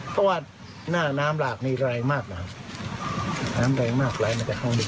เพราะว่าน่าน้ำหลากนี้แรงมากน้ำน้ำน้ำแรงมากปรานักแค่ข้องดิน